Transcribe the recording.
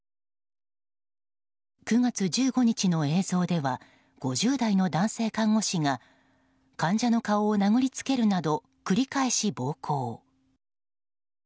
９月１５日の映像では５０代の男性看護師が患者の顔を殴りつけるなど繰り返し暴行。